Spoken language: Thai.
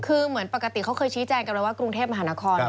คือเหมือนปกติเขาเคยชี้แจงกันเลยว่ากรุงเทพมหานคร